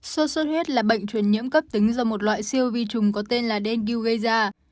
sốt xuất huyết là bệnh truyền nhiễm cấp tính do một loại siêu vi trùng có tên là den gây ra